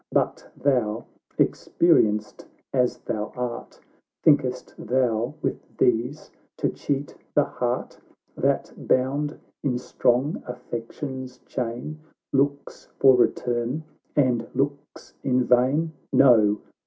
But thou, experienced as thou art, Think'st thou with these to cheat the heart, That, bound in strong affection's chain, Looks for return and looks in vain ? No